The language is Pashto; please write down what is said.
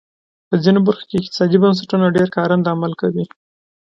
په ځینو برخو کې اقتصادي بنسټونه ډېر کارنده عمل کوي.